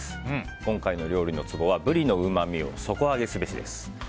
今回の料理のツボはブリのうまみを底上げすべしです。